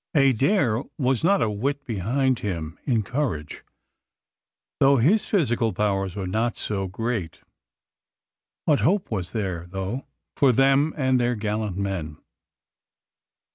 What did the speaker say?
Adair was not a whit behind him in courage, though his physical powers were not so great. What hope was there though for them and their gallant men?